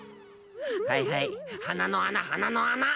はいはい鼻の穴鼻の穴。